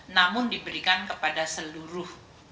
namun diberikan kepada seluruh